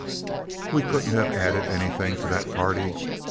We couldn't have added anything to that party.